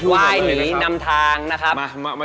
ว่ายหนีนำทางนะครับ